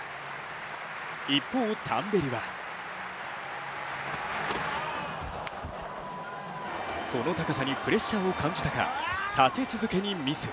一方、タンベリはこの高さにプレッシャーを感じたか、立て続けにミス。